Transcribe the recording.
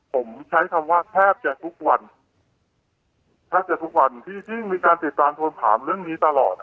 ผมใช้คำว่าแทบจะทุกวันทิ้งมีการติดตามโหนดผลาบเรื่องนี้ตลอด